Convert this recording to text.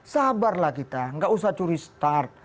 sabarlah kita nggak usah curi start